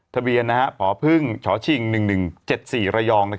ทะเบียนผอพึ่งฉอชิง๑๑๗๔ระยอง